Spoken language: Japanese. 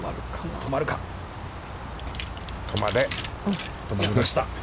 止まりました。